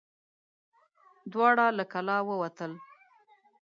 دواړه له کلا ووتل.